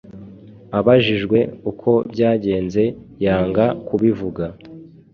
abajijwe uko byagenze yanga kubivuga